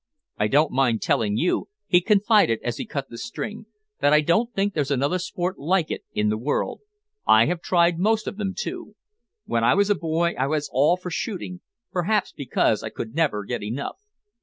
"I don't mind telling you," he confided as he cut the string, "that I don't think there's another sport like it in the world. I have tried most of them, too. When I was a boy I was all for shooting, perhaps because I could never get enough.